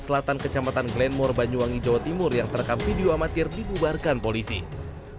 sebenarnya akun yang diunggah di jawa timur adalah warga yang diunggah di jawa timur